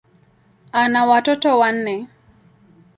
Ana watoto wanne.